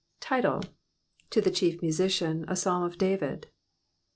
Title. — ^To the Chief Mtudcion, A Psalm of David.